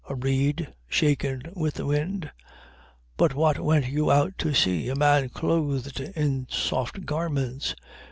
A reed shaken with the wind? 7:25. But what went you out to see? A man clothed in soft garments?